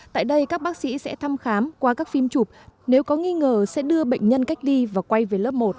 tại đây các bác sĩ sẽ thăm khám qua các phim chụp nếu có nghi ngờ sẽ đưa bệnh nhân cách ly và quay về lớp một